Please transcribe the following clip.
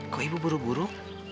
kok ibu buru buru